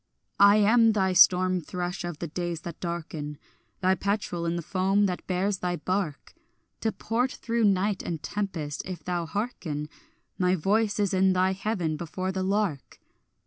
I am thy storm thrush of the days that darken, Thy petrel in the foam that bears thy bark To port through night and tempest; if thou hearken, My voice is in thy heaven before the lark.